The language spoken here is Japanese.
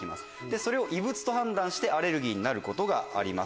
それを異物と判断してアレルギーになることがあります。